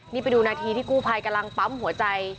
นี่ไปดูนาทีที่กู้ภัยกำลังปั๊มหัวใจ